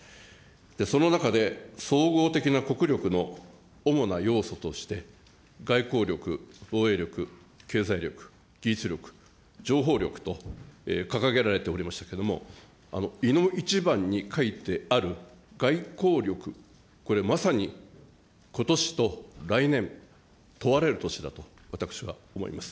その中で、総合的な国力の主な要素として、外交力、防衛力、経済力、技術力、情報力と掲げられておりましたけども、いの一番に書いてある外交力、これまさに、ことしと来年、問われる年だと私は思います。